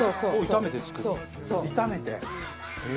炒めて。